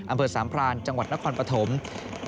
อำเผิดสามพรานจังหวัดนครปฑี้